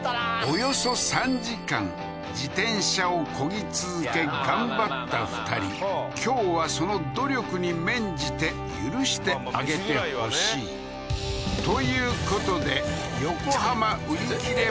およそ３時間自転車を漕ぎ続け頑張った２人今日はその努力に免じて許してあげてほしいということで横浜売り切れ